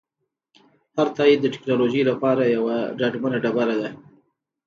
هر تایید د ټکنالوژۍ لپاره یوه ډاډمنه ډبره ده.